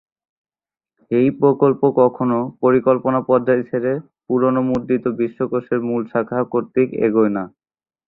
এই প্রকল্প কখনো পরিকল্পনা পর্যায় ছেড়ে পুরানো মুদ্রিত বিশ্বকোষের মূল শাখা কর্তৃক এগোয় না।